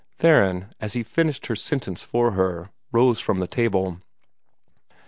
Theron, as he finished her sentence for her, rose from the table.